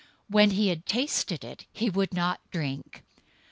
When he had tasted it, he would not drink.